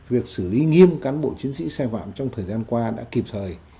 việc xử lý nghiêm cán bộ chiến sĩ sai phạm trong thời gian qua đã kịp thời